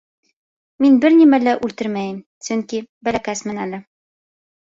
— Мин бер нимә лә үлтермәйем, сөнки бәләкәсмен әле.